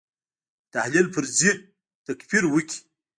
د تحلیل پر ځای تکفیر وکړي.